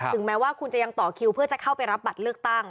แม้ว่าคุณจะยังต่อคิวเพื่อจะเข้าไปรับบัตรเลือกตั้ง